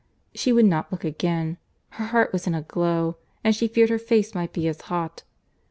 She would not look again. Her heart was in a glow, and she feared her face might be as hot.